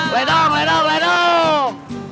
ledang ledang ledang